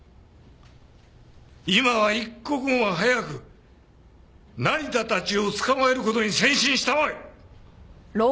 今は一刻も早く成田たちを捕まえる事に専心したまえ！